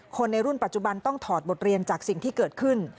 คนในรุ่นปัจจุบันต้องถอดบทเรียนจากสิ่งที่เกิดขึ้น